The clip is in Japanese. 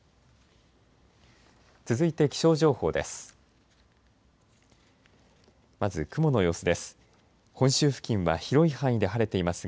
続いて気象情報です。